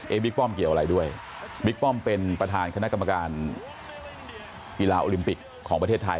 บิ๊กป้อมเกี่ยวอะไรด้วยบิ๊กป้อมเป็นประธานคณะกรรมการกีฬาโอลิมปิกของประเทศไทย